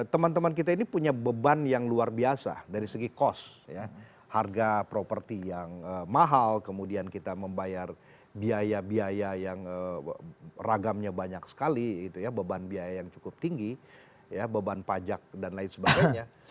teman teman kita ini punya beban yang luar biasa dari segi cost ya harga properti yang mahal kemudian kita membayar biaya biaya yang ragamnya banyak sekali beban biaya yang cukup tinggi ya beban pajak dan lain sebagainya